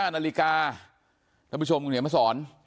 ๑๕นาฬิกาท่านผู้ชมคุณเห็นไหมสอน